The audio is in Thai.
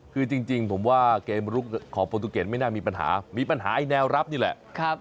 คือจริงผมว่าเกมลุกของโปรตูเกตไม่น่ามีปัญหามีปัญหาไอ้แนวรับนี่แหละ